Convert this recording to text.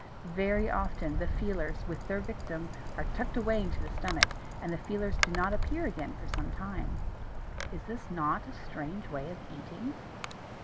Very often the feelers, with their victim, are tucked away into the stomach, and the feelers do not appear again for some time. Is not this a strange way of eating!